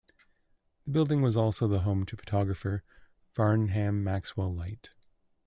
The building was also the home to the photographer Farnham Maxwell-Lyte.